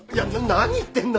何言ってんの？